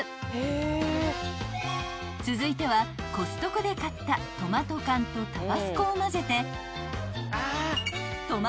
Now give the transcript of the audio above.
［続いてはコストコで買ったトマト缶とタバスコを混ぜて］